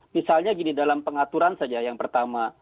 misalnya gini dalam pengaturan saja yang pertama